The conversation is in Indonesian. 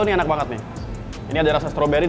ini enak banget nih ini ada rasa stroberi